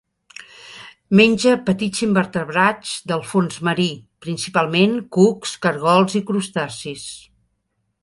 Menja petits invertebrats del fons marí, principalment cucs, caragols i crustacis.